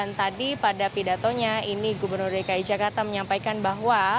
nah ini gubernur dki jakarta menyampaikan bahwa